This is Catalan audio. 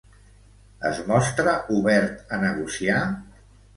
Es mostra obert a negociar?